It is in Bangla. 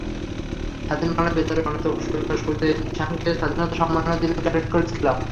স্বাধীন বাংলা বেতারের অন্যতম সুরকার সুজেয় শ্যামকে স্বাধীনতা সম্মাননা দিল ক্যাডেট কলেজ ক্লাব।